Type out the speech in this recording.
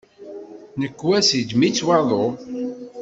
Nnekwa-s iddem-itt waḍu.